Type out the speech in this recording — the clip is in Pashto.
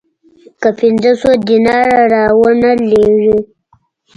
که پنځه سوه دیناره را ونه لېږې